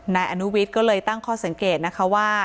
นายอนุวิทย์ก็เลยตั้งข้อสังเกตนะคะว่า